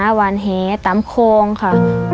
ไปหาวานแฮตามโครงค่ะ